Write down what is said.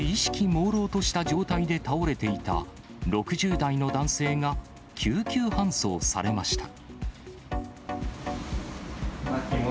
もうろうとした状態で倒れていた６０代の男性が救急搬送されました。